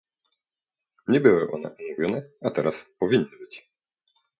Nie były one omówione, a teraz powinny być